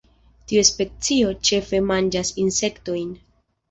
Tiu specio ĉefe manĝas insektojn.